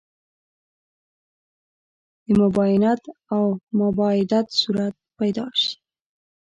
د مباینت او مباعدت صورت پیدا شي.